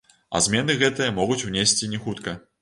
А змены гэтыя могуць унесці не хутка.